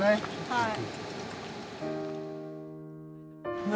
はい。